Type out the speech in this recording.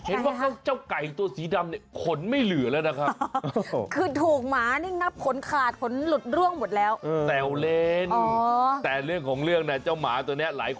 เอาไว้เอาไว้อย่างนี้เอาไว้